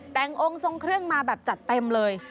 แต่งองค์ทรงเครื่องมาแบบจัดเต็มเลย